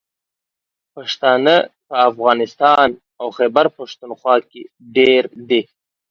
پښتانه په افغانستان او خیبر پښتونخوا کې ډېر دي.